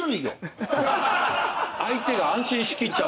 相手が安心しきっちゃう。